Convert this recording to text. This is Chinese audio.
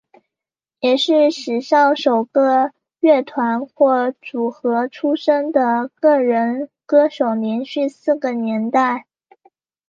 也是史上首位乐团或组合出身的个人歌手连续四个年代。